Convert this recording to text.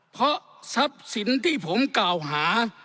เพราะทรัพย์สินที่ผมกล่าวหา